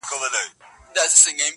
هر څوک له بل لرې دي،